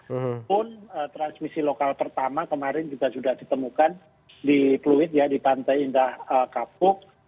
walaupun transmisi lokal pertama kemarin juga sudah ditemukan di fluid ya di pantai indah kapuk